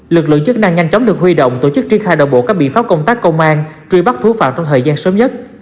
lực lượng chức năng nhanh chóng được huy động tổ chức triết khai đồng bộ các biện pháp công tác công an truy bắt thú phạm trong thời gian sớm nhất